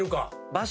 場所？